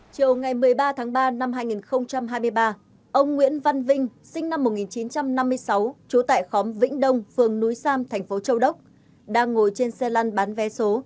chiều ngày một mươi ba tháng ba năm hai nghìn hai mươi ba ông nguyễn văn vinh sinh năm một nghìn chín trăm năm mươi sáu trú tại khóm vĩnh đông phường núi sam thành phố châu đốc đang ngồi trên xe lăn bán vé số